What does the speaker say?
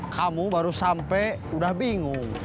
kamu baru sampai udah bingung